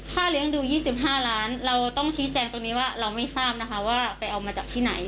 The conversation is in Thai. เลี้ยงดู๒๕ล้านเราต้องชี้แจงตรงนี้ว่าเราไม่ทราบนะคะว่าไปเอามาจากที่ไหน